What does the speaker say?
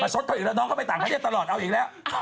ชดเขาอีกแล้วน้องเขาไปต่างประเทศตลอดเอาอีกแล้ว